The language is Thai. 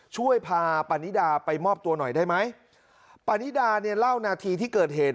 ช่วยพาปานิดาไปมอบตัวหน่อยได้ไหมปานิดาเนี่ยเล่านาทีที่เกิดเหตุ